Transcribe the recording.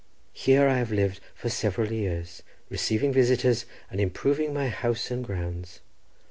Here I have lived for several years, receiving strangers, and improving my houses and grounds.